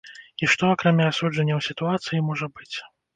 І што, акрамя асуджэнняў сітуацыі, можа быць?